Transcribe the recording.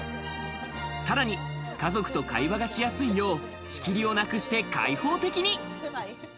さらに家族と会話がしやすいように仕切りをなくして開放的に。